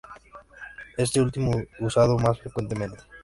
Este último usado más frecuentemente.